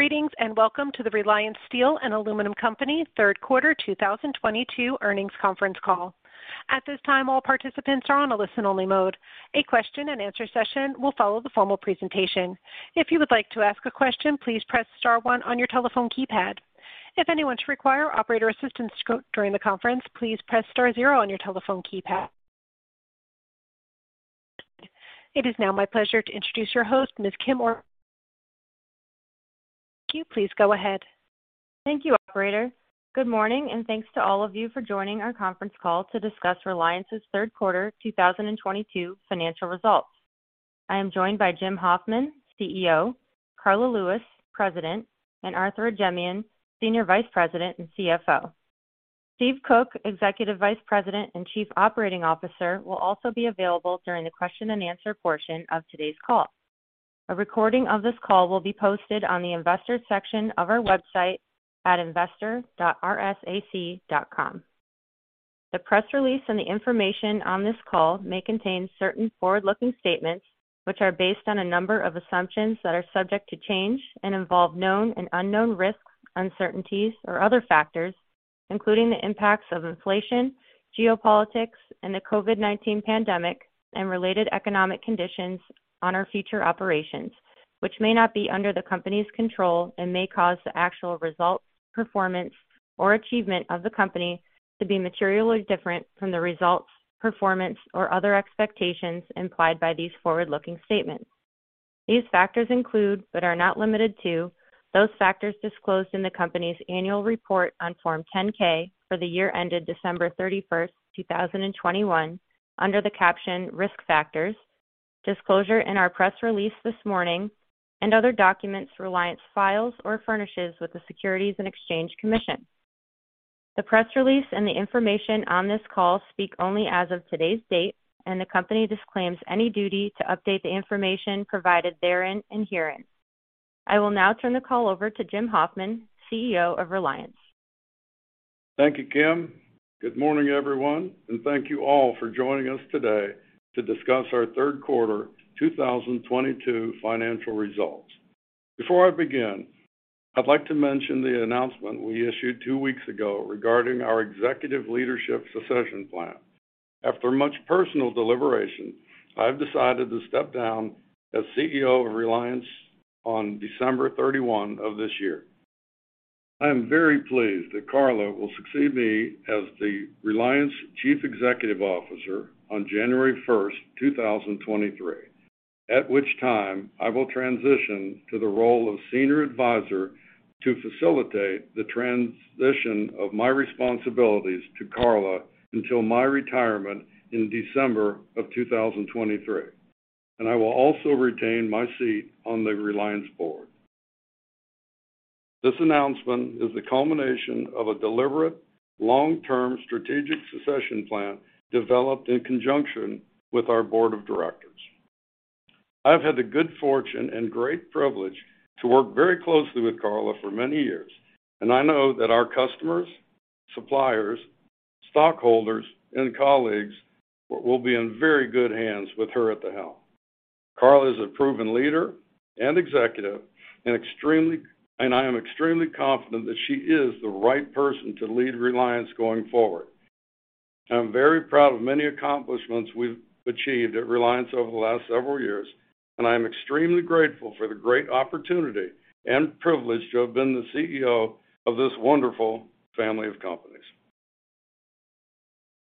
Greetings, and welcome to the Reliance Steel & Aluminum Company Third Quarter 2022 Earnings Conference Call. At this time, all participants are on a listen-only mode. A question-and-answer session will follow the formal presentation. It is now my pleasure to introduce your host, Ms. Kimberly Orlando. You. Please go ahead. Thank you, operator. Good morning, and thanks to all of you for joining our conference call to discuss Reliance's third quarter 2022 financial results. I am joined by James Hoffman, CEO, Karla Lewis, President, and Arthur Ajemyan, Senior Vice President and CFO. Steve Koch, Executive Vice President and Chief Operating Officer, will also be available during the question-and-answer portion of today's call. A recording of this call will be posted on the Investors section of our website at investors.rsac.com. The press release and the information on this call may contain certain forward-looking statements which are based on a number of assumptions that are subject to change and involve known and unknown risks, uncertainties or other factors, including the impacts of inflation, geopolitics and the COVID-19 pandemic and related economic conditions on our future operations, which may not be under the Company's control and may cause the actual results, performance or achievement of the Company to be materially different from the results, performance or other expectations implied by these forward-looking statements. These factors include, but are not limited to, those factors disclosed in the Company's annual report on Form 10-K for the year ended December 31, 2021, under the caption Risk Factors, disclosure in our press release this morning, and other documents Reliance files or furnishes with the Securities and Exchange Commission. The press release and the information on this call speak only as of today's date, and the Company disclaims any duty to update the information provided therein and herein. I will now turn the call over to James Hoffman, CEO of Reliance. Thank you, Kim. Good morning, everyone, and thank you all for joining us today to discuss our third quarter 2022 financial results. Before I begin, I'd like to mention the announcement we issued two weeks ago regarding our executive leadership succession plan. After much personal deliberation, I've decided to step down as CEO of Reliance on December 31 of this year. I am very pleased that Karla will succeed me as the Reliance Chief Executive Officer on January 1, 2023, at which time I will transition to the role of senior advisor to facilitate the transition of my responsibilities to Karla until my retirement in December of 2023, and I will also retain my seat on the Reliance board. This announcement is the culmination of a deliberate long-term strategic succession plan developed in conjunction with our board of directors. I've had the good fortune and great privilege to work very closely with Karla for many years, and I know that our customers, suppliers, stockholders, and colleagues will be in very good hands with her at the helm. Karla is a proven leader and executive, and I am extremely confident that she is the right person to lead Reliance going forward. I'm very proud of many accomplishments we've achieved at Reliance over the last several years, and I am extremely grateful for the great opportunity and privilege to have been the CEO of this wonderful family of companies.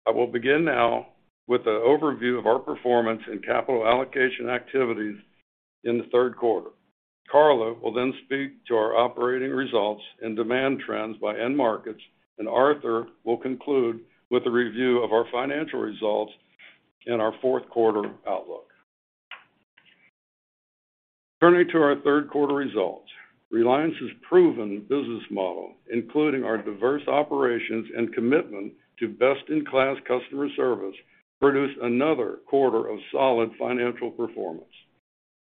I will begin now with an overview of our performance and capital allocation activities in the third quarter. Karla will then speak to our operating results and demand trends by end markets, and Arthur will conclude with a review of our financial results and our fourth-quarter outlook. Turning to our third quarter results, Reliance's proven business model, including our diverse operations and commitment to best-in-class customer service, produced another quarter of solid financial performance.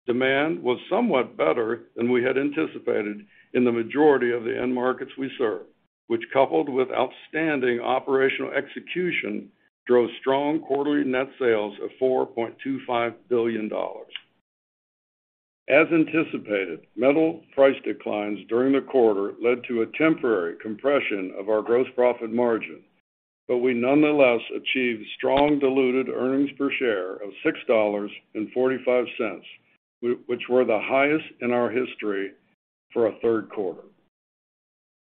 Demand was somewhat better than we had anticipated in the majority of the end markets we serve, which, coupled with outstanding operational execution, drove strong quarterly Net Sales of $4.25 billion. As anticipated, metal price declines during the quarter led to a temporary compression of our gross profit margin, but we nonetheless achieved strong diluted earnings per share of $6.45, which were the highest in our history for a third quarter.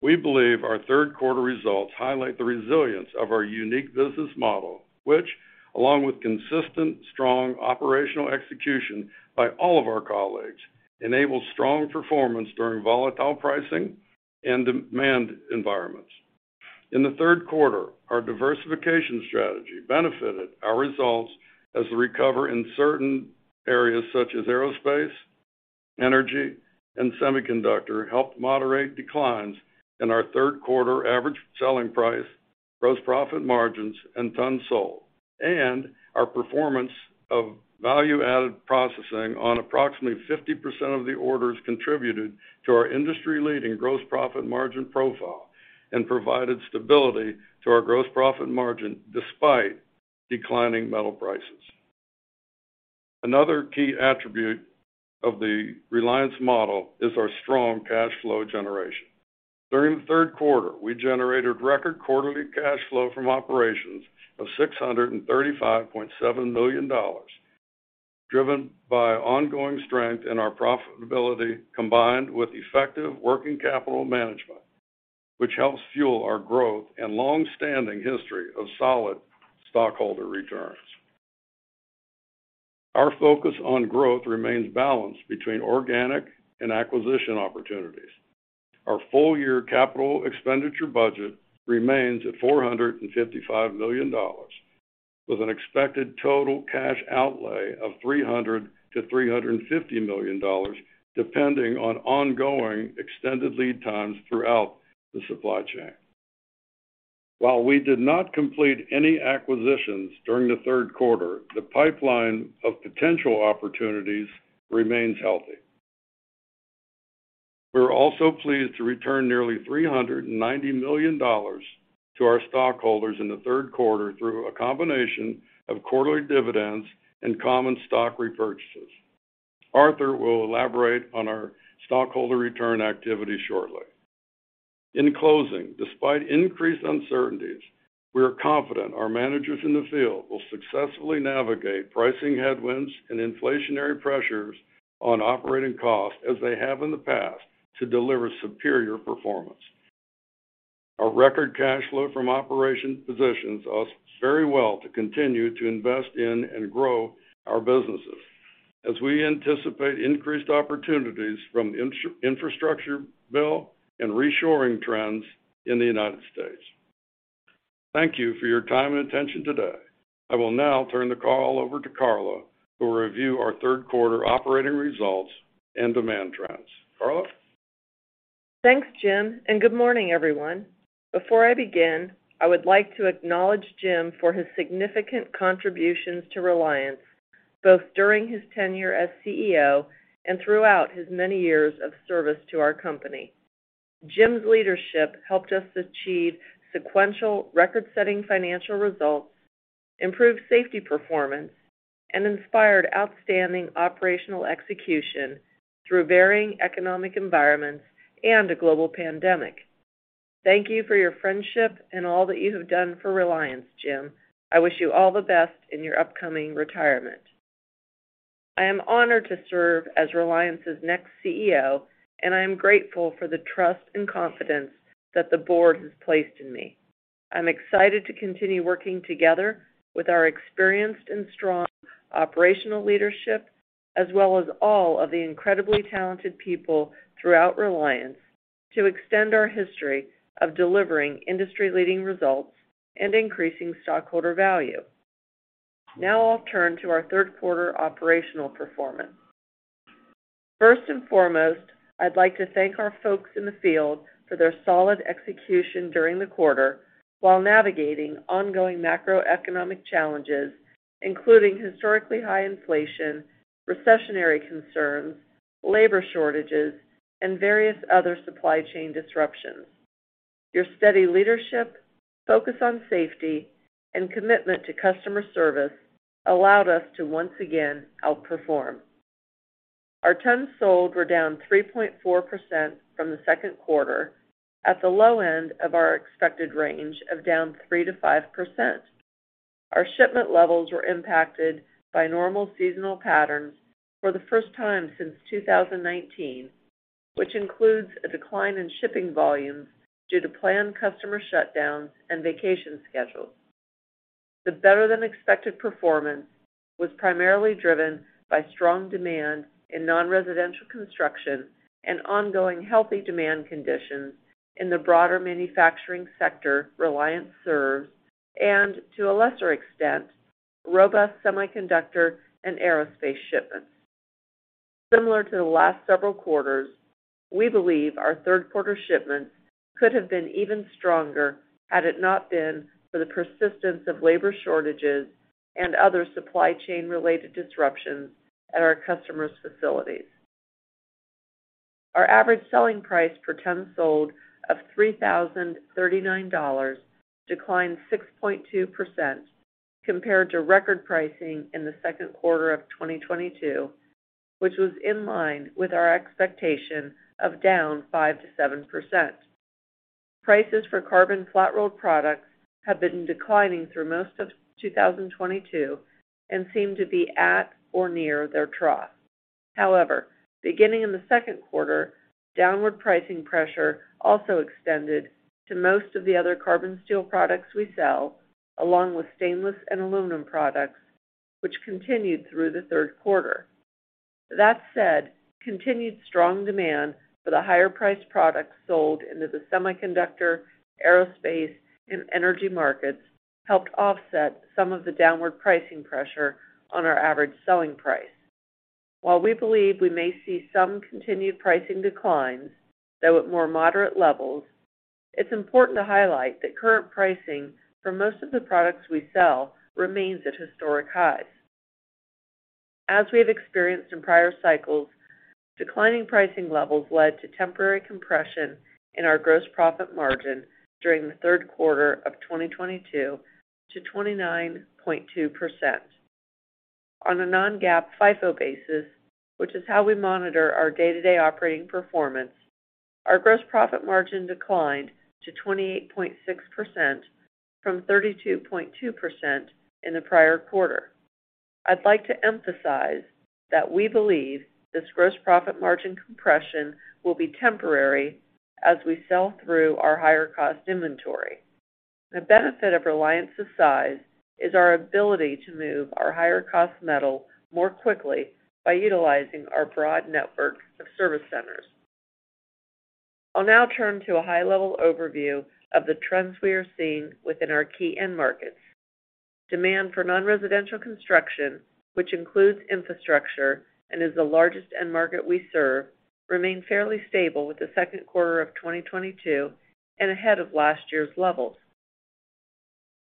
We believe our third quarter results highlight the resilience of our unique business model, which, along with consistent strong operational execution by all of our colleagues, enables strong performance during volatile pricing and demand environments. In the third quarter, our diversification strategy benefited our results as the recovery in certain areas such as aerospace, energy, and semiconductor helped moderate declines in our third quarter average selling price, gross profit margins, and tons sold. Our performance of value-added processing on approximately 50% of the orders contributed to our industry-leading gross profit margin profile and provided stability to our gross profit margin despite declining metal prices. Another key attribute of the Reliance model is our strong cash flow generation. During the third quarter, we generated record quarterly cash flow from operations of $635.7 million, driven by ongoing strength in our profitability, combined with effective working capital management, which helps fuel our growth and long-standing history of solid stockholder returns. Our focus on growth remains balanced between organic and acquisition opportunities. Our full year capital expenditure budget remains at $455 million, with an expected total cash outlay of $300 million-$350 million, depending on ongoing extended lead times throughout the supply chain. While we did not complete any acquisitions during the third quarter, the pipeline of potential opportunities remains healthy. We're also pleased to return nearly $390 million to our stockholders in the third quarter through a combination of quarterly dividends and common stock repurchases. Arthur will elaborate on our stockholder return activity shortly. In closing, despite increased uncertainties, we are confident our managers in the field will successfully navigate pricing headwinds and inflationary pressures on operating costs as they have in the past to deliver superior performance. Our record cash flow from operations positions us very well to continue to invest in and grow our businesses as we anticipate increased opportunities from infrastructure bill and reshoring trends in the United States. Thank you for your time and attention today. I will now turn the call over to Karla to review our third quarter operating results and demand trends. Karla. Thanks, James, and good morning, everyone. Before I begin, I would like to acknowledge James for his significant contributions to Reliance, both during his tenure as CEO and throughout his many years of service to our company. James leadership helped us achieve sequential record-setting financial results, improved safety performance, and inspired outstanding operational execution through varying economic environments and a global pandemic. Thank you for your friendship and all that you have done for Reliance, James. I wish you all the best in your upcoming retirement. I am honored to serve as Reliance's next CEO, and I am grateful for the trust and confidence that the board has placed in me. I'm excited to continue working together with our experienced and strong operational leadership, as well as all of the incredibly talented people throughout Reliance to extend our history of delivering industry-leading results and increasing stockholder value. Now I'll turn to our third quarter operational performance. First and foremost, I'd like to thank our folks in the field for their solid execution during the quarter while navigating ongoing macroeconomic challenges, including historically high inflation, recessionary concerns, labor shortages, and various other supply chain disruptions. Your steady leadership, focus on safety, and commitment to customer service allowed us to once again outperform. Our tons sold were down 3.4% from the second quarter at the low end of our expected range of down 3%-5%. Our shipment levels were impacted by normal seasonal patterns for the first time since 2019, which includes a decline in shipping volumes due to planned customer shutdowns and vacation schedules. The better-than-expected performance was primarily driven by strong demand in non-residential construction and ongoing healthy demand conditions in the broader manufacturing sector Reliance serves and, to a lesser extent, robust semiconductor and aerospace shipments. Similar to the last several quarters, we believe our third quarter shipments could have been even stronger had it not been for the persistence of labor shortages and other supply chain-related disruptions at our customers' facilities. Our average selling price per ton sold of $3,039 declined 6.2% compared to record pricing in the second quarter of 2022, which was in line with our expectation of down 5%-7%. Prices for carbon flat-rolled products have been declining through most of 2022 and seem to be at or near their trough. However, beginning in the second quarter, downward pricing pressure also extended to most of the other carbon steel products we sell, along with stainless and aluminum products, which continued through the third quarter. That said, continued strong demand for the higher-priced products sold into the semiconductor, aerospace, and energy markets helped offset some of the downward pricing pressure on our average selling price. While we believe we may see some continued pricing declines, though at more moderate levels, it's important to highlight that current pricing for most of the products we sell remains at historic highs. As we have experienced in prior cycles, declining pricing levels led to temporary compression in our gross profit margin during the third quarter of 2022 to 29.2%. On a non-GAAP FIFO basis, which is how we monitor our day-to-day operating performance, our gross profit margin declined to 28.6% from 32.2% in the prior quarter. I'd like to emphasize that we believe this gross profit margin compression will be temporary as we sell through our higher cost inventory. The benefit of Reliance's size is our ability to move our higher cost metal more quickly by utilizing our broad network of service centers. I'll now turn to a high-level overview of the trends we are seeing within our key end markets. Demand for non-residential construction, which includes infrastructure and is the largest end market we serve, remained fairly stable with the second quarter of 2022 and ahead of last year's levels.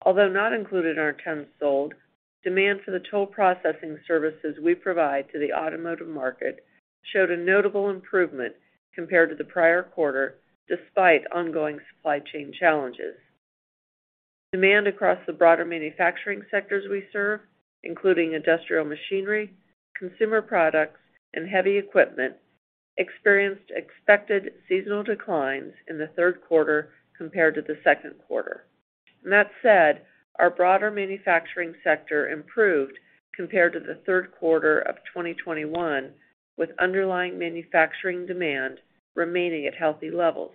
Although not included in our tons sold, demand for the toll processing services we provide to the automotive market showed a notable improvement compared to the prior quarter despite ongoing supply chain challenges. Demand across the broader manufacturing sectors we serve, including industrial machinery, consumer products, and heavy equipment, experienced expected seasonal declines in the third quarter compared to the second quarter. That said, our broader manufacturing sector improved compared to the third quarter of 2021, with underlying manufacturing demand remaining at healthy levels.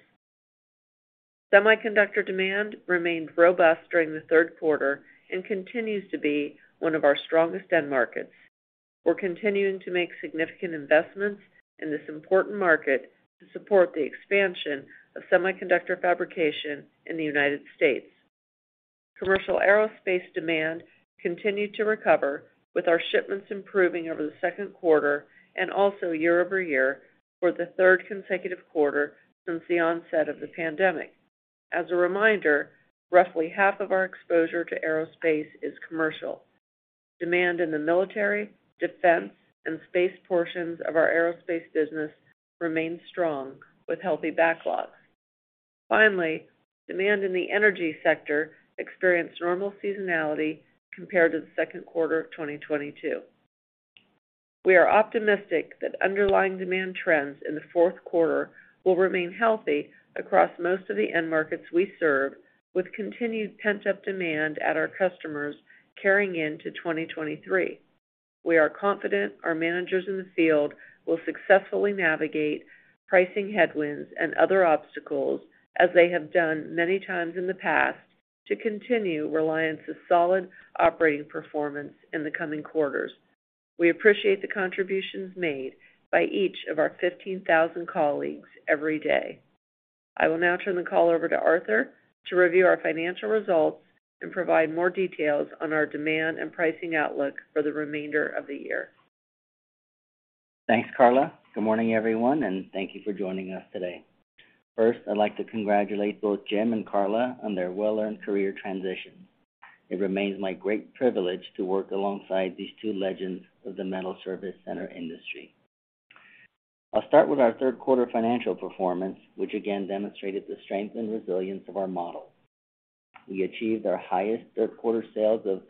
Semiconductor demand remained robust during the third quarter and continues to be one of our strongest end markets. We're continuing to make significant investments in this important market to support the expansion of semiconductor fabrication in the United States. Commercial aerospace demand continued to recover, with our shipments improving over the second quarter and also year-over-year for the third consecutive quarter since the onset of the pandemic. As a reminder, roughly half of our exposure to aerospace is commercial. Demand in the military, defense, and space portions of our aerospace business remains strong with healthy backlogs. Finally, demand in the energy sector experienced normal seasonality compared to the second quarter of 2022. We are optimistic that underlying demand trends in the fourth quarter will remain healthy across most of the end markets we serve, with continued pent-up demand at our customers carrying into 2023. We are confident our managers in the field will successfully navigate pricing headwinds and other obstacles as they have done many times in the past to continue Reliance's solid operating performance in the coming quarters. We appreciate the contributions made by each of our 15,000 colleagues every day. I will now turn the call over to Arthur to review our financial results and provide more details on our demand and pricing outlook for the remainder of the year. Thanks, Karla. Good morning, everyone, and thank you for joining us today. First, I'd like to congratulate both James and Karla on their well-earned career transition. It remains my great privilege to work alongside these two legends of the metal service center industry. I'll start with our third quarter financial performance, which again demonstrated the strength and resilience of our model. We achieved our highest third quarter sales of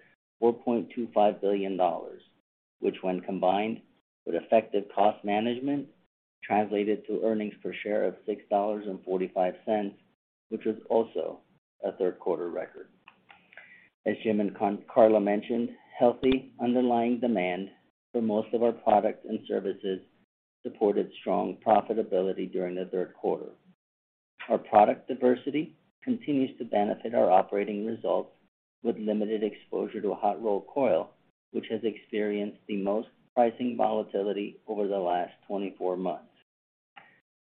$4.25 billion, which when combined with effective cost management, translated to earnings per share of $6.45, which was also a third quarter record. As James and Karla mentioned, healthy underlying demand for most of our products and services supported strong profitability during the third quarter. Our product diversity continues to benefit our operating results with limited exposure to hot rolled coil, which has experienced the most pricing volatility over the last 24 months.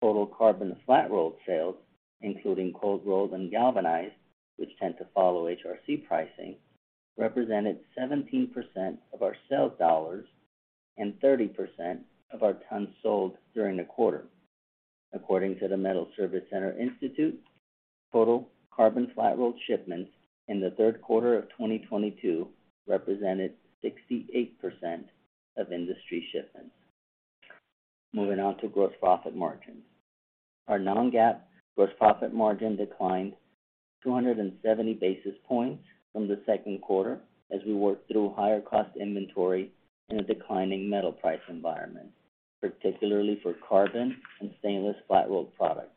Total carbon flat-rolled sales, including cold rolled and galvanized, which tend to follow HRC pricing, represented 17% of our sales dollars and 30% of our tons sold during the quarter. According to the Metals Service Center Institute, total carbon flat-rolled shipments in the third quarter of 2022 represented 68% of industry shipments. Moving on to gross profit margin. Our non-GAAP gross profit margin declined 270 basis points from the second quarter as we worked through higher cost inventory in a declining metal price environment, particularly for carbon and stainless flat-rolled products.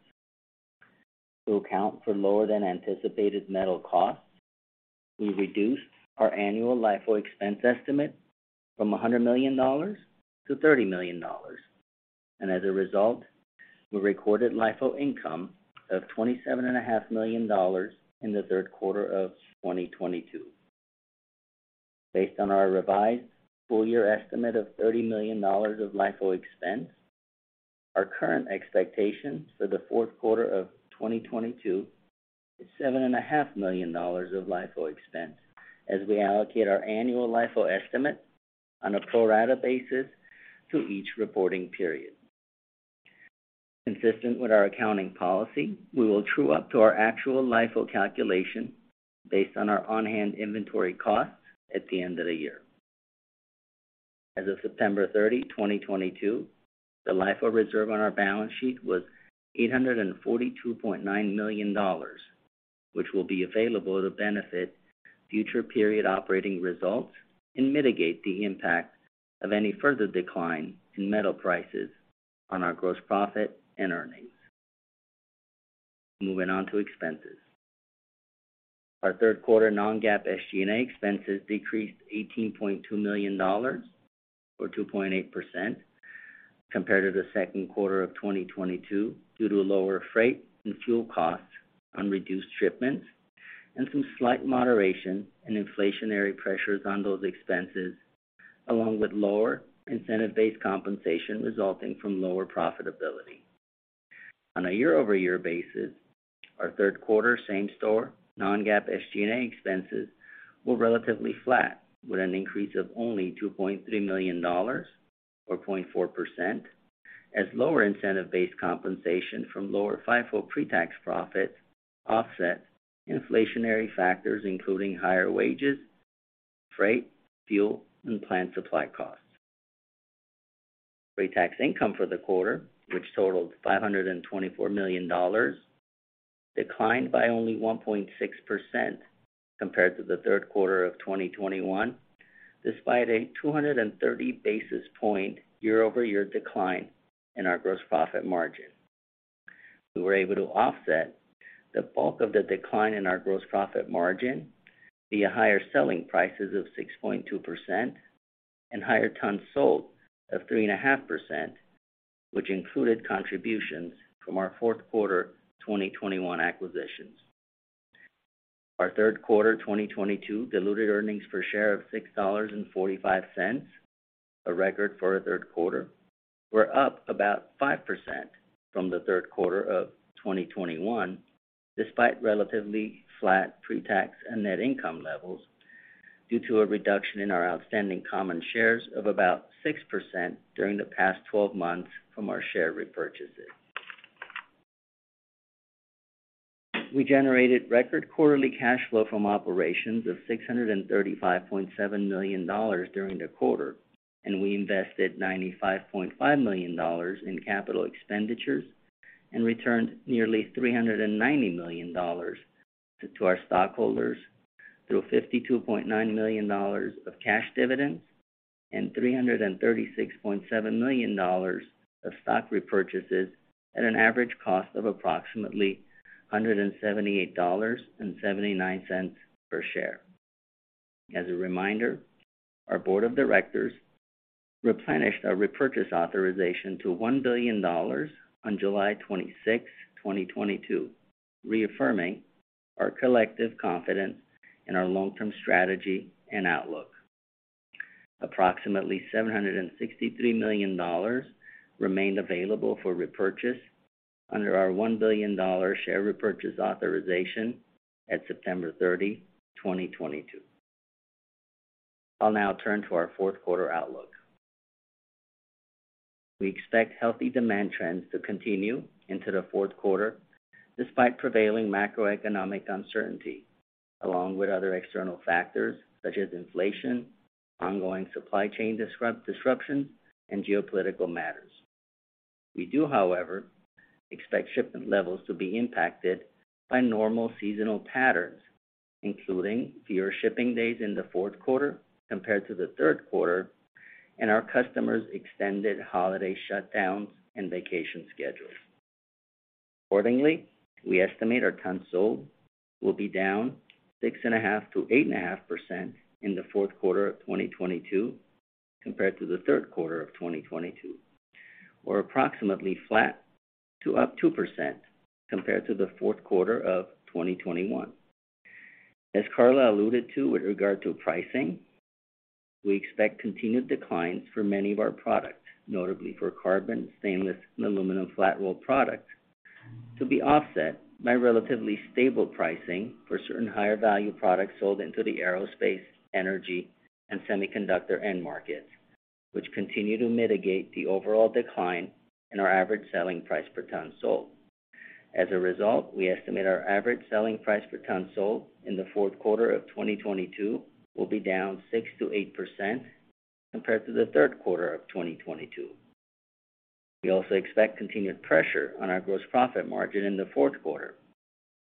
To account for lower than anticipated metal costs, we reduced our annual LIFO expense estimate from $100 million-$30 million. As a result, we recorded LIFO income of $27.5 million In the third quarter of 2022. Based on our revised full year estimate of $30 million of LIFO expense, our current expectation for the fourth quarter of 2022 is $7.5 milion LIFO expense as we allocate our annual LIFO estimate on a pro rata basis to each reporting period. Consistent with our accounting policy, we will true up to our actual LIFO calculation based on our on-hand inventory costs at the end of the year. As of September 30, 2022, the LIFO reserve on our balance sheet was $842.9 million, which will be available to benefit future period operating results and mitigate the impact of any further decline in metal prices on our gross profit and earnings. Moving on to expenses. Our third quarter non-GAAP SG&A expenses decreased $18.2 million, or 2.8% compared to the second quarter of 2022 due to lower freight and fuel costs on reduced shipments and some slight moderation in inflationary pressures on those expenses, along with lower incentive-based compensation resulting from lower profitability. On a year-over-year basis, our third quarter same store non-GAAP SG&A expenses were relatively flat, with an increase of only $2.3 million, or 0.4%, as lower incentive-based compensation from lower FIFO pre-tax profits offset inflationary factors, including higher wages, freight, fuel, and plant supply costs. Pre-tax income for the quarter, which totaled $524 million, declined by only 1.6% compared to the third quarter of 2021, despite a 230 basis point year-over-year decline in our gross profit margin. We were able to offset the bulk of the decline in our gross profit margin via higher selling prices of 6.2% and higher tons sold of 3.5%, which included contributions from our fourth quarter 2021 acquisitions. Our third quarter 2022 diluted earnings per share of $6.45, a record for a third quarter, were up about 5% from the third quarter of 2021, despite relatively flat pre-tax and Net Income levels due to a reduction in our outstanding common shares of about 6% during the past 12 months from our share repurchases. We generated record quarterly cash flow from operations of $635.7 million during the quarter, and we invested $95.5 million in capital expenditures and returned nearly $390 million to our stockholders through $52.9 million of cash dividends and $336.7 million of stock repurchases at an average cost of approximately $178.79 per share. Our board of directors replenished our repurchase authorization to $1 billion on July 26, 2022, reaffirming our collective confidence in our long-term strategy and outlook. Approximately $763 million remained available for repurchase under our $1 billion share repurchase authorization at September 30, 2022. I'll now turn to our fourth quarter outlook. We expect healthy demand trends to continue into the fourth quarter, despite prevailing macroeconomic uncertainty, along with other external factors such as inflation, ongoing supply chain disruption, and geopolitical matters. We do, however, expect shipment levels to be impacted by normal seasonal patterns, including fewer shipping days in the fourth quarter compared to the third quarter and our customers' extended holiday shutdowns and vacation schedules. Accordingly, we estimate our tons sold will be down 6.5%-8.5% in the fourth quarter of 2022 compared to the third quarter of 2022, or approximately flat to up 2% compared to the fourth quarter of 2021. As Karla alluded to with regard to pricing, we expect continued declines for many of our products, notably for carbon, stainless, and aluminum flat roll products, to be offset by relatively stable pricing for certain higher-value products sold into the aerospace, energy, and semiconductor end markets, which continue to mitigate the overall decline in our average selling price per ton sold. As a result, we estimate our average selling price per ton sold in the fourth quarter of 2022 will be down 6%-8% compared to the third quarter of 2022. We also expect continued pressure on our gross profit margin in the fourth quarter,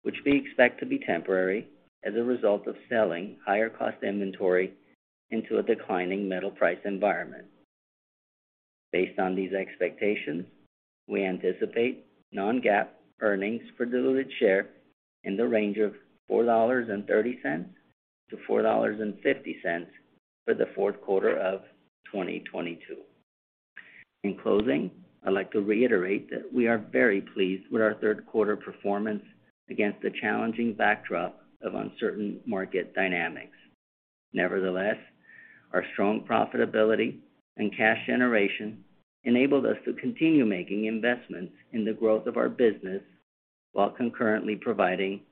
which we expect to be temporary as a result of selling higher-cost inventory into a declining metal price environment. Based on these expectations, we anticipate non-GAAP earnings per diluted share in the range of $4.30-$4.50 for the fourth quarter of 2022. In closing, I'd like to reiterate that we are very pleased with our third quarter performance against the challenging backdrop of uncertain market dynamics. Nevertheless, our strong profitability and cash generation enabled us to continue making investments in the growth of our business while concurrently providing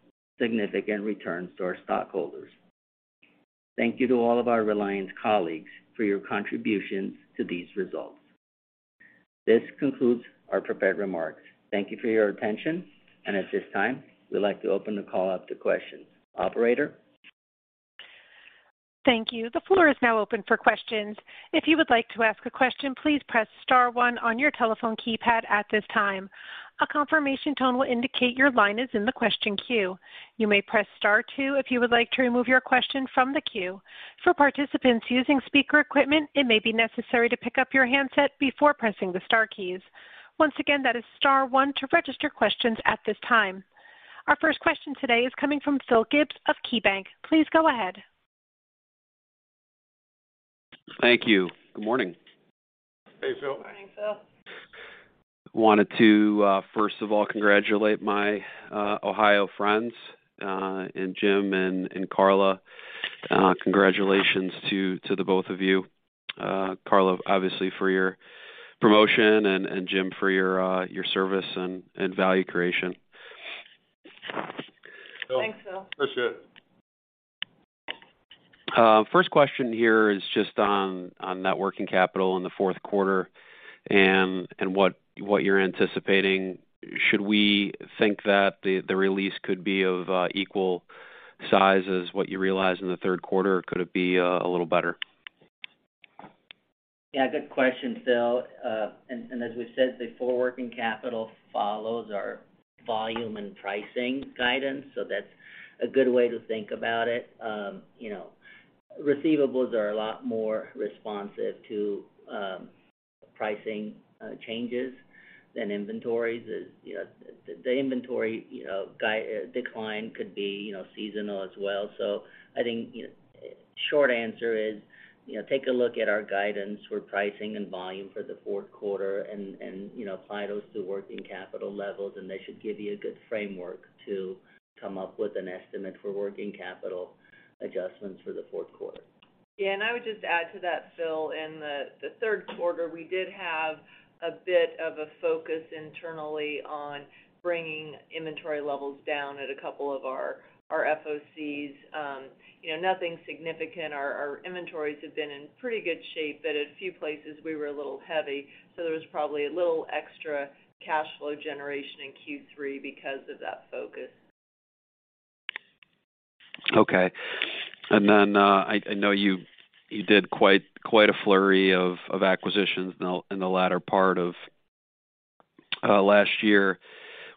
significant returns to our stockholders. Thank you to all of our Reliance colleagues for your contributions to these results. This concludes our prepared remarks. Thank you for your attention. At this time, we'd like to open the call up to questions. Operator? Thank you. The floor is now open for questions. If you would like to ask a question, please press star one on your telephone keypad at this time. A confirmation tone will indicate your line is in the question queue. You may press star two if you would like to remove your question from the queue. For participants using speaker equipment, it may be necessary to pick up your handset before pressing the star keys. Once again, that is star one to register questions at this time. Our first question today is coming from Philip Gibbs of KeyBanc. Please go ahead. Thank you. Good morning. Hey, Phil. Morning, Phil. Wanted to first of all congratulate my all friends and James and Karla. Congratulations to the both of you. Karla, obviously for your promotion and James for your service and value creation. Thanks, Phil. Appreciate it. First question here is just on net working capital in the fourth quarter and what you're anticipating. Should we think that the release could be of equal size as what you realized in the third quarter, or could it be a little better? Yeah, good question, Phil. And as we said before, working capital follows our volume and pricing guidance, so that's a good way to think about it. You know, receivables are a lot more responsive to pricing changes than inventories. As you know, the inventory decline could be seasonal as well. So I think, you know, short answer is, you know, take a look at our guidance for pricing and volume for the fourth quarter and apply those to working capital levels, and they should give you a good framework to come up with an estimate for working capital adjustments for the fourth quarter. Yeah, I would just add to that, Phil, in the third quarter, we did have a bit of a focus internally on bringing inventory levels down at a couple of our FOCs. You know, nothing significant. Our inventories have been in pretty good shape, but at a few places we were a little heavy, so there was probably a little extra cash flow generation in Q3 because of that focus. Okay. I know you did quite a flurry of acquisitions in the latter part of last year.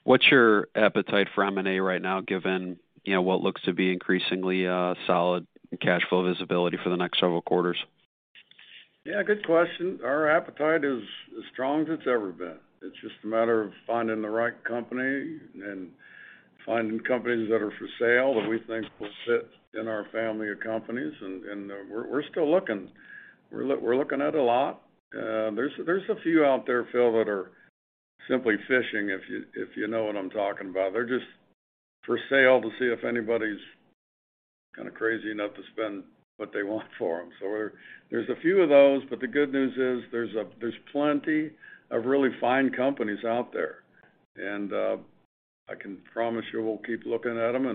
What's your appetite for M&A right now, given you know what looks to be increasingly solid cash flow visibility for the next several quarters? Yeah, good question. Our appetite is as strong as it's ever been. It's just a matter of finding the right company and finding companies that are for sale that we think will fit in our family of companies, and we're still looking. We're looking at a lot. There's a few out there, Phil, that are simply fishing, if you know what I'm talking about. They're just for sale to see if anybody's kind of crazy enough to spend what they want for them. There's a few of those, but the good news is there's plenty of really fine companies out there. I can promise you we'll keep looking at them,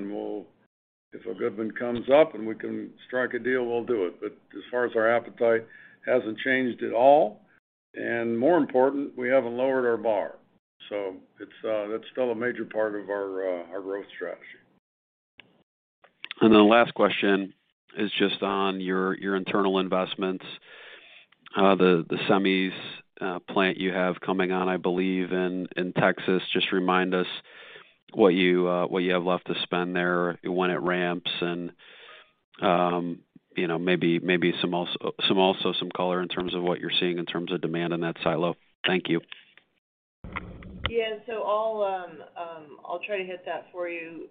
if a good one comes up, and we can strike a deal, we'll do it. As far as our appetite, hasn't changed at all. More important, we haven't lowered our bar. That's still a major part of our growth strategy. Last question is just on your internal investments, the semis plant you have coming on, I believe, in Texas. Just remind us what you have left to spend there, when it ramps, and you know, maybe some color in terms of what you're seeing in terms of demand in that silo. Thank you. Yeah. I'll try to hit that for you.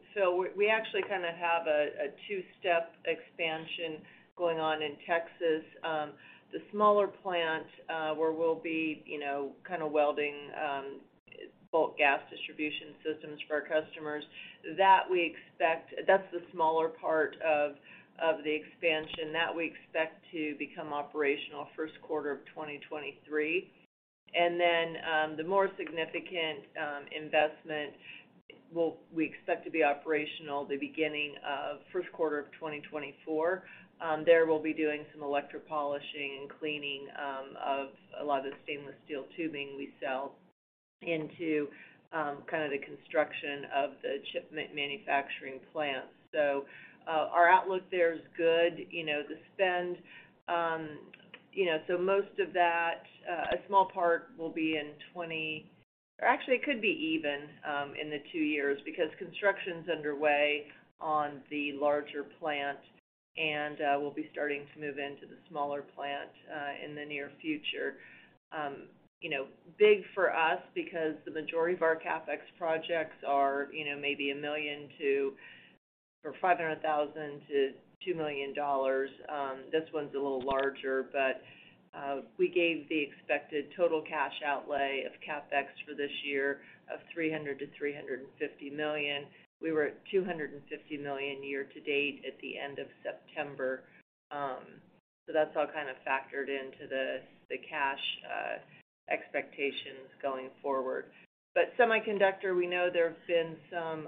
We actually kinda have a two-step expansion going on in Texas. The smaller plant, where we'll be, you know, kind of welding bulk gas distribution systems for our customers. That's the smaller part of the expansion that we expect to become operational first quarter of 2023. The more significant investment we expect to be operational the beginning of first quarter of 2024. There we'll be doing some electropolishing and cleaning of a lot of the stainless steel tubing we sell into kind of the construction of the chip manufacturing plant. Our outlook there is good, you know, the spend, you know, most of that a small part will be in twenty. Actually it could be even in the two years because construction's underway on the larger plant, and we'll be starting to move into the smaller plant in the near future. You know, big for us because the majority of our Capex projects are, you know, maybe $500,000-$2 million. This one's a little larger, but we gave the expected total cash outlay of Capex for this year of $300-$350 million. We were at $250 million year to date at the end of September. That's all kind of factored into the cash expectations going forward. Semiconductor, we know there have been some,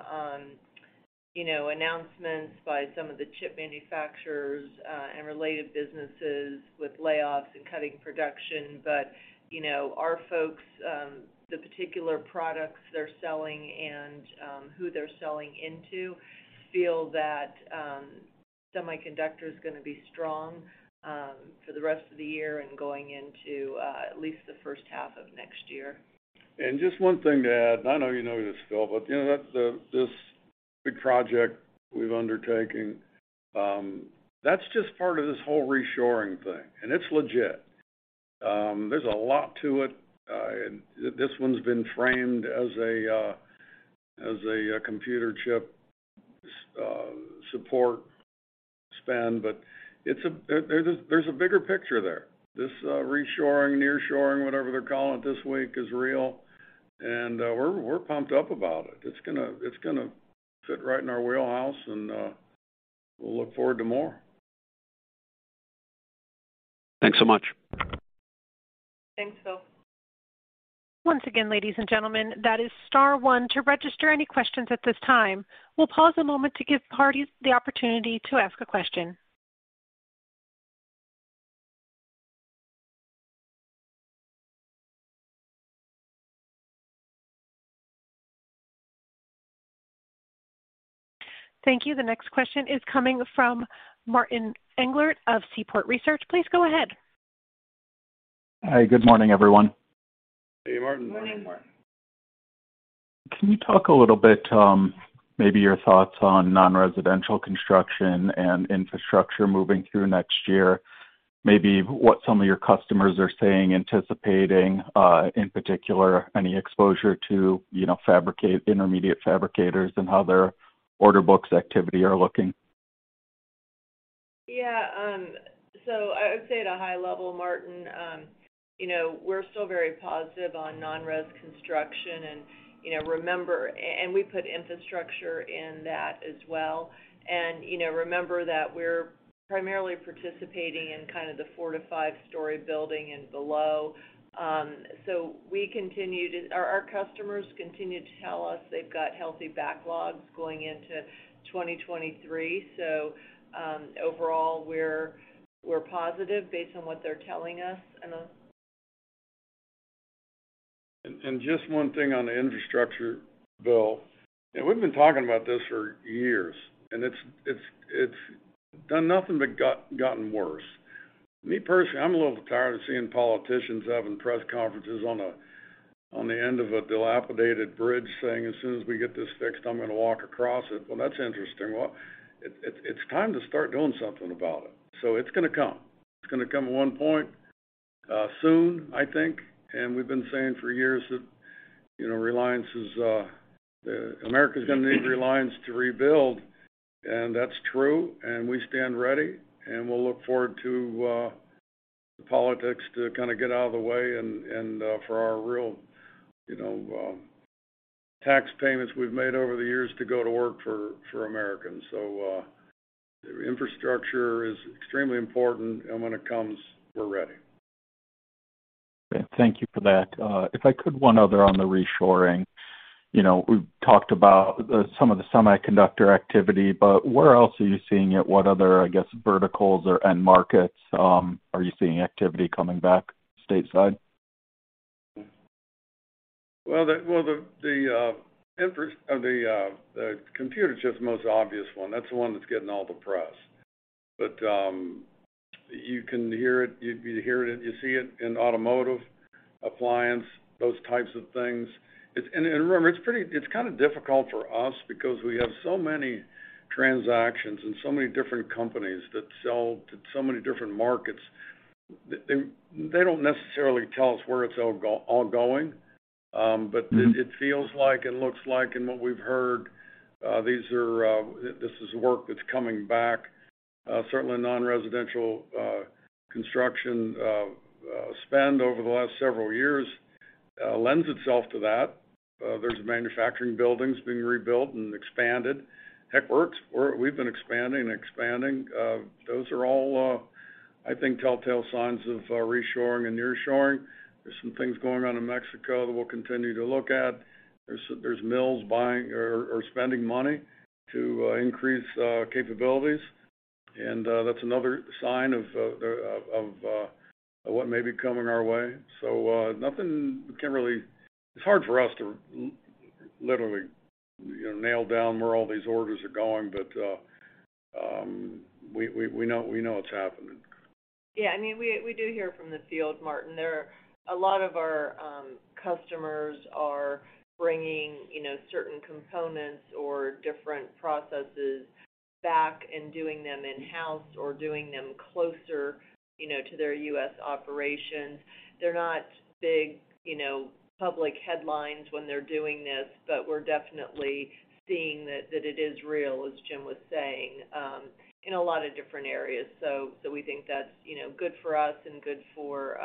you know, announcements by some of the chip manufacturers, and related businesses with layoffs and cutting production. You know, our folks, the particular products they're selling and who they're selling into feel that semiconductor is gonna be strong for the rest of the year and going into at least the first half of next year. Just one thing to add, and I know you know this, Phil, but, you know, that this big project we're undertaking, that's just part of this whole reshoring thing, and it's legit. There's a lot to it. This one's been framed as a computer chip support spend, but there's a bigger picture there. This reshoring, nearshoring, whatever they're calling it this week, is real, and we're pumped up about it. It's gonna fit right in our wheelhouse, and we'll look forward to more. Thanks so much. Thanks, Phil. Once again, ladies and gentlemen, that is star one to register any questions at this time. We'll pause a moment to give parties the opportunity to ask a question. Thank you. The next question is coming from Martin Englert of Seaport Research. Please go ahead. Hi. Good morning, everyone. Hey, Martin. Morning. Can you talk a little bit, maybe your thoughts on non-residential construction and infrastructure moving through next year? Maybe what some of your customers are saying, anticipating, in particular, any exposure to, you know, intermediate fabricators and how their order books activity are looking? I would say at a high level, Martin, you know, we're still very positive on non-res construction and, you know, remember and we put infrastructure in that as well. You know, remember that we're primarily participating in kind of the four-five story building and below. Our customers continue to tell us they've got healthy backlogs going into 2023. Overall, we're positive based on what they're telling us. Just one thing on the infrastructure bill. We've been talking about this for years, and it's done nothing but gotten worse. Me personally, I'm a little tired of seeing politicians having press conferences on the end of a dilapidated bridge saying, "As soon as we get this fixed, I'm gonna walk across it." Well, that's interesting. It's time to start doing something about it. It's gonna come. It's gonna come at one point soon, I think. We've been saying for years that, you know, Reliance is America's gonna need Reliance to rebuild. That's true, and we stand ready, and we'll look forward to the politics to kind of get out of the way and for our real, you know, tax payments we've made over the years to go to work for Americans. Infrastructure is extremely important, and when it comes, we're ready. Thank you for that. If I could, one other on the reshoring. You know, we've talked about some of the semiconductor activity, but where else are you seeing it? What other, I guess, verticals or end markets are you seeing activity coming back stateside? Well, the computer chip's the most obvious one. That's the one that's getting all the press. You can hear it. You hear it, you see it in automotive, appliance, those types of things. It's kind of difficult for us because we have so many transactions and so many different companies that sell to so many different markets. They don't necessarily tell us where it's all going, but it feels like and looks like and what we've heard, these are, this is work that's coming back. Certainly non-residential construction spend over the last several years lends itself to that. There's manufacturing buildings being rebuilt and expanded. Heck, we've been expanding and expanding. Those are all, I think, telltale signs of reshoring and nearshoring. There's some things going on in Mexico that we'll continue to look at. There's mills buying or spending money to increase capabilities, and that's another sign of what may be coming our way. Nothing can really. It's hard for us to literally, you know, nail down where all these orders are going, but we know it's happening. Yeah. I mean, we do hear from the field, Martin. There are a lot of our customers bringing, you know, certain components or different processes back and doing them in-house or doing them closer, you know, to their U.S. operations. They are not big, you know, public headlines when they are doing this, but we are definitely seeing that it is real, as James was saying, in a lot of different areas. We think that is, you know, good for us and good for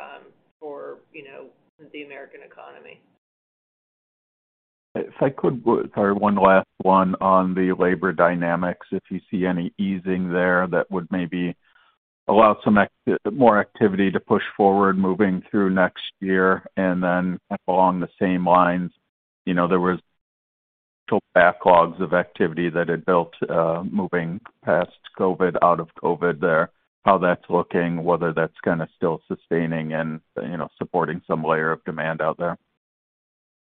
the American economy. If I could, sorry, one last one on the labor dynamics. If you see any easing there that would maybe allow some more activity to push forward moving through next year. Then along the same lines, you know, there was backlogs of activity that had built, moving past COVID, out of COVID there, how that's looking, whether that's kinda still sustaining and, you know, supporting some layer of demand out there.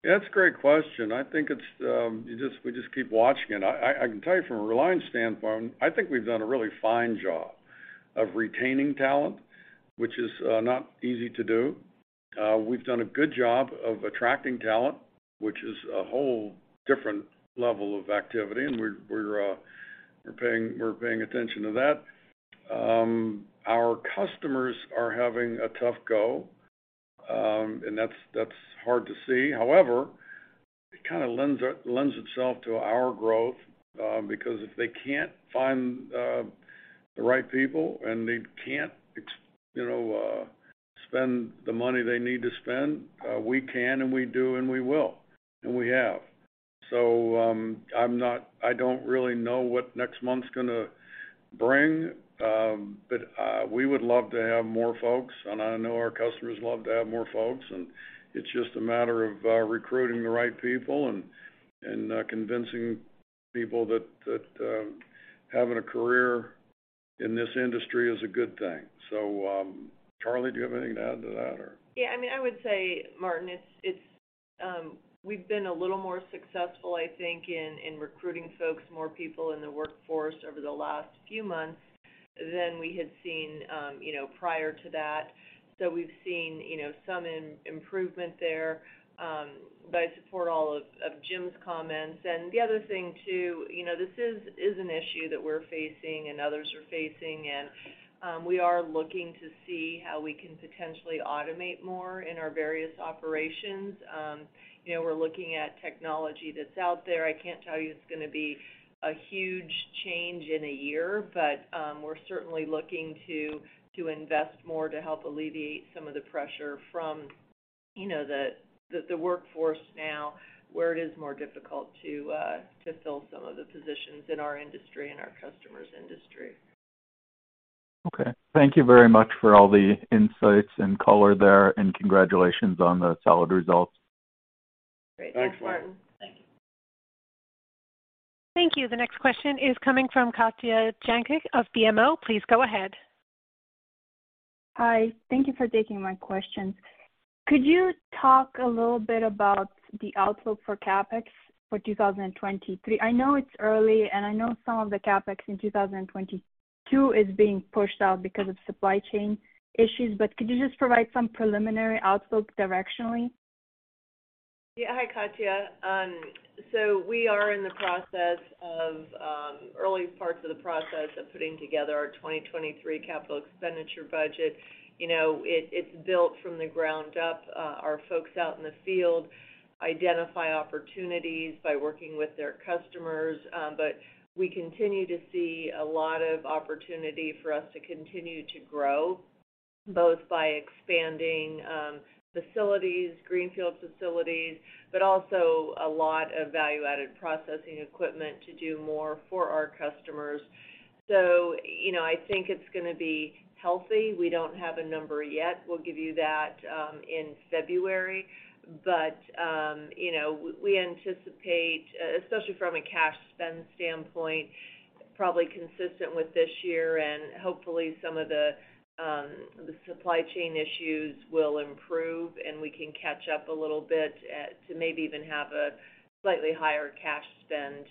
That's a great question. I think it's we just keep watching it. I can tell you from a Reliance standpoint, I think we've done a really fine job of retaining talent, which is not easy to do. We've done a good job of attracting talent, which is a whole different level of activity, and we're paying attention to that. Our customers are having a tough go, and that's hard to see. However, it kinda lends itself to our growth, because if they can't find the right people and they can't you know spend the money they need to spend, we can, and we do, and we will, and we have. I don't really know what next month's gonna bring, but we would love to have more folks, and I know our customers would love to have more folks. It's just a matter of recruiting the right people and convincing people that having a career in this industry is a good thing. Karla, do you have anything to add to that or? Yeah, I mean, I would say, Martin, we've been a little more successful, I think, in recruiting folks, more people in the workforce over the last few months than we had seen, you know, prior to that. So we've seen, you know, some improvement there. But I support all of James comments. The other thing too, you know, this is an issue that we're facing and others are facing, and we are looking to see how we can potentially automate more in our various operations. You know, we're looking at technology that's out there. I can't tell you it's gonna be a huge change in a year, but we're certainly looking to invest more to help alleviate some of the pressure from, you know, the workforce now, where it is more difficult to fill some of the positions in our industry and our customers' industry. Okay. Thank you very much for all the insights and color there, and congratulations on the solid results. Great. Thanks, Martin. Thanks. Thank you. Thank you. The next question is coming from Katja Jancic of BMO. Please go ahead. Hi. Thank you for taking my questions. Could you talk a little bit about the outlook for Capex for 2023? I know it's early, and I know some of the Capex in 2022 is being pushed out because of supply chain issues, but could you just provide some preliminary outlook directionally? Yeah. Hi, Katja. We are in the process of early parts of the process of putting together our 2023 capital expenditure budget. You know, it's built from the ground up. Our folks out in the field identify opportunities by working with their customers, but we continue to see a lot of opportunity for us to continue to grow, both by expanding facilities, greenfield facilities, but also a lot of value-added processing equipment to do more for our customers. You know, I think it's gonna be healthy. We don't have a number yet. We'll give you that in February. You know, we anticipate, especially from a cash spend standpoint, probably consistent with this year and hopefully some of the supply chain issues will improve, and we can catch up a little bit to maybe even have a slightly higher cash spend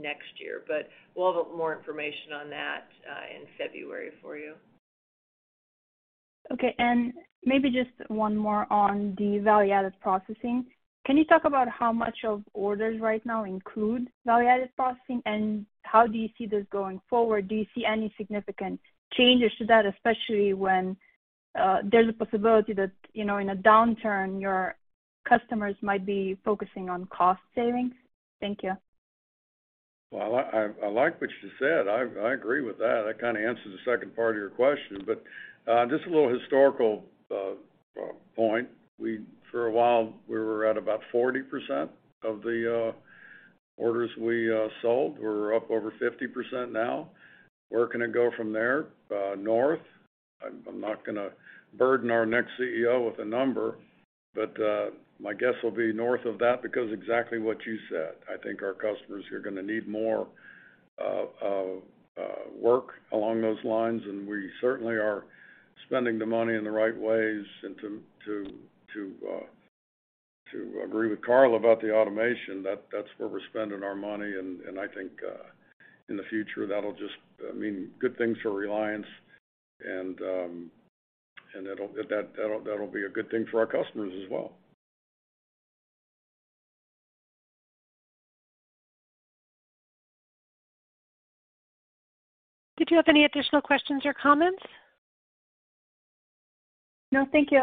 next year. We'll have more information on that in February for you. Okay, and maybe just one more on the value-added processing. Can you talk about how much of orders right now include value-added processing, and how do you see this going forward? Do you see any significant changes to that, especially when there's a possibility that, you know, in a downturn, your customers might be focusing on cost savings? Thank you. Well, I like what she said. I agree with that. That kinda answers the second part of your question. Just a little historical point. For a while, we were at about 40% of the orders we sold. We're up over 50% now. Where can it go from there? North. I'm not gonna burden our next CEO with a number, but my guess will be north of that because exactly what you said. I think our customers are gonna need more work along those lines, and we certainly are spending the money in the right ways. To agree with Karla about the automation, that's where we're spending our money, and I think in the future, that'll just mean good things for Reliance and that'll be a good thing for our customers as well. Did you have any additional questions or comments? No, thank you.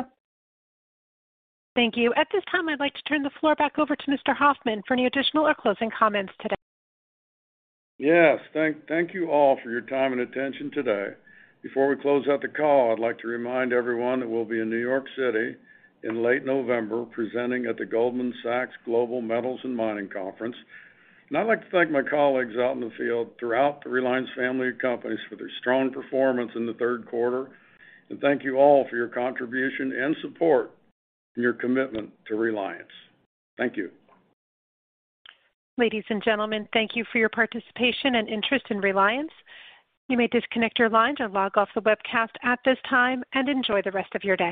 Thank you. At this time, I'd like to turn the floor back over to Mr. Hoffman for any additional or closing comments today. Yes. Thank you all for your time and attention today. Before we close out the call, I'd like to remind everyone that we'll be in New York City in late November presenting at the Goldman Sachs Global Metals and Mining Conference. I'd like to thank my colleagues out in the field throughout the Reliance family of companies for their strong performance in the third quarter. Thank you all for your contribution and support and your commitment to Reliance. Thank you. Ladies and gentlemen, thank you for your participation and interest in Reliance. You may disconnect your lines or log off the webcast at this time, and enjoy the rest of your day.